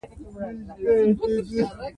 هغه سانتیاګو ته باطني طلا ورپېژني.